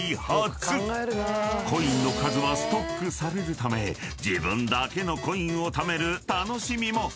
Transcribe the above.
［コインの数はストックされるため自分だけのコインをためる楽しみも］